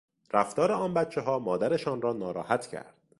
رفتار آن بچهها مادرشان را ناراحت کرد.